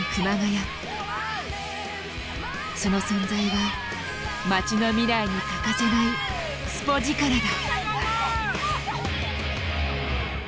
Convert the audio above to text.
その存在は街の未来に欠かせないスポヂカラだ。